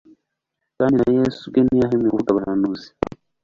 kandi na Yesu ubwe ntiyahwemye kuvuga abahanuzi,